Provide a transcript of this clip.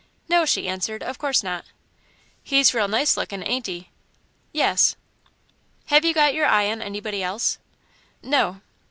"No," she answered; "of course not." "He's real nice lookin', ain't he? "Yes." "Have you got your eye on anybody else?" "No."